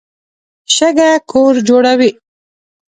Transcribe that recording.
شګه کور جوړوي.